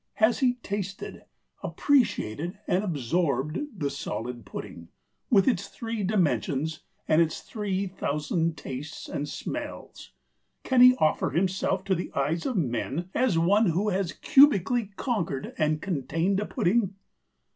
Has he tasted, appreciated, and absorbed the solid pudding, with its three dimensions and its three thousand tastes and smells? Can he offer himself to the eyes of men as one who has cubically conquered and contained a pudding?